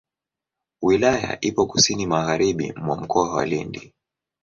Wilaya ipo kusini magharibi mwa Mkoa wa Lindi.